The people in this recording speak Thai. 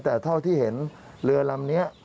แต่เท่าที่เห็นเรือลำนี้